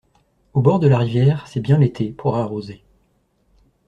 Au bord de la rivière, c’est bien l’été, pour arroser.